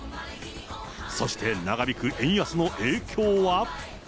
そして長引く円安の影響は？